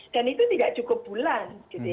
dan itu tidak cukup bulan